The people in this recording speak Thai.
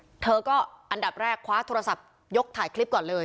อ่าเธอก็อันดับแรกคว้าทุอร์สับยกถ่ายคลิปก่อนเลย